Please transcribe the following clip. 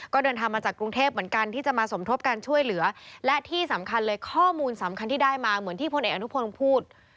ก็เดินทางมาจากกรุงเทพเหมือนกันที่จะมาสมทบการช่วยเหลือและที่สำคัญเลยข้อมูลสำคัญที่ได้มาเหมือนที่พลเอกอนุพงศ์พูด